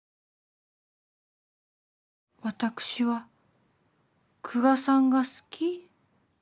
私は久我さんが好き？